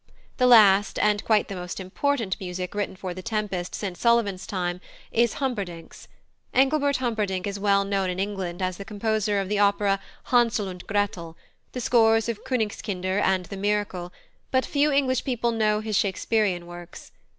The last, and quite the most important, music written for The Tempest since Sullivan's time is Humperdinck's. +Engelbert Humperdinck+ is well known in England as the composer of the opera Hänsel und Gretel, the scores of Königskinder and The Miracle, but few English people know his Shakespearian works.